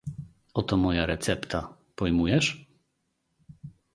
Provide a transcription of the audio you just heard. "Oto moja recepta, pojmujesz?..."